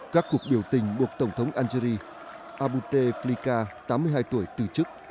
các cuộc biểu tình buộc tổng thống algeri abute flika tám mươi hai tuổi từ chức